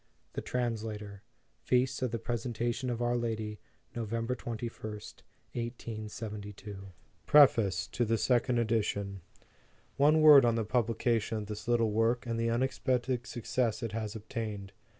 THE TRANSLATOR. Feast of the Presentation of our Lady, Nov. 21st, 1872. PREFACE TO THE SECOND EDITION. ONE word on the publication of this little work, and the unexpected success it has obtained.